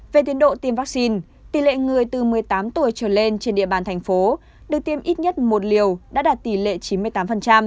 về tiến độ tiêm vaccine tỷ lệ người từ một mươi tám tuổi trở lên trên địa bàn thành phố được tiêm ít nhất một liều đã đạt tỷ lệ chín mươi tám